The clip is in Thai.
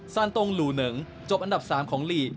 ตรงหลู่เหนิงจบอันดับ๓ของลีก